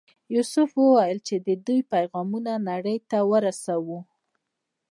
یوسف وویل چې د دوی پیغامونه نړۍ ته ورسوو.